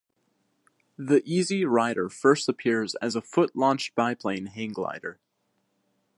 The Easy Riser first appears as a foot-launched biplane hang glider.